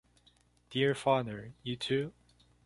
Dear Father, you too?